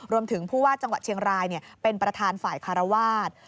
รวมถึงผู้ว่าจังหวัดเชียงรายเป็นประธานฝ่ายคารวาส